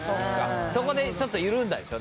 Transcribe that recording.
そこでちょっと緩んだでしょ？